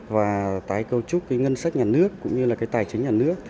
và tái cấu trúc ngân sách nhà nước cũng như tài chính nhà nước